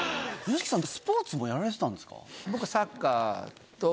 ＹＯＳＨＩＫＩさんってスポーツもやられてたんですか？